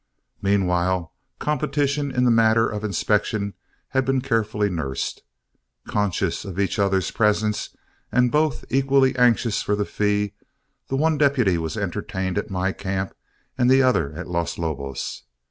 Meanwhile competition in the matter of inspection had been carefully nursed. Conscious of each other's presence, and both equally anxious for the fee, the one deputy was entertained at my camp and the other at Los Lobos.